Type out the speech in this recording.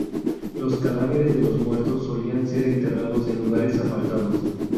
Los cadáveres de los muertos solían ser enterrados en lugares apartados.